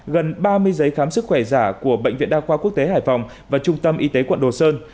gần ba mươi giấy khám sức khỏe giả của bệnh viện đa khoa quốc tế hải phòng và trung tâm y tế quận đồ sơn